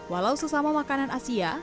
walau sesama makanan asia